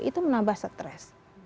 itu menambah stres